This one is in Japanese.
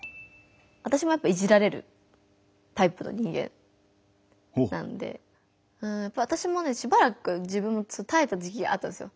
わたしもやっぱりいじられるタイプの人間なんでわたしもねしばらくたえた時期があったんですよ。